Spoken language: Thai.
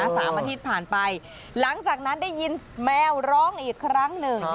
สามอาทิตย์ผ่านไปหลังจากนั้นได้ยินแมวร้องอีกครั้งหนึ่ง